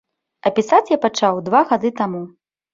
А пісаць я пачаў два гады таму.